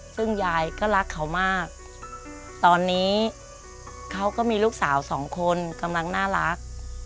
ซึ่งยายก็รักเขามากตอนนี้เขาก็มีลูกสาวสองคนกำลังน่ารัก